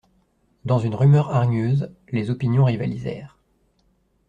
Dans une rumeur hargneuse, les opinions rivalisèrent.